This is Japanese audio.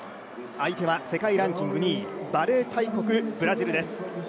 相手は世界ランキング２位、バレー大国、ブラジルです。